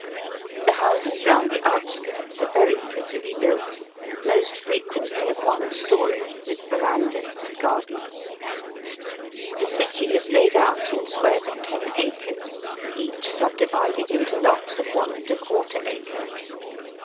The houses round the outskirts are very prettily built — most frequently of one story, with verandahs and gardens. The city is laid out in squares Digitized by VjOOQIC 94 EAST BY WEST. of ten acres, each subdivided into lots of one and a quarter acre.